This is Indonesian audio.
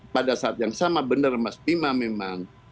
pada saat yang sama benar mas bima memang